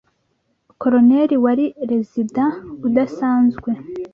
Coloneli wari Rezida udasanzwe